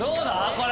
これ。